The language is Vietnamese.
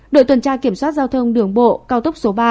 đội tuần tra kiểm soát giao thông đường bộ cao tốc số ba